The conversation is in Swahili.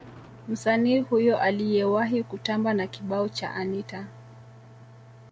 Msanii huyo aliyewahi kutamba na kibao cha Anita